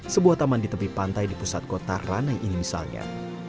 sebuah taman di tepi pantai di pusat kota ranai ini misalnya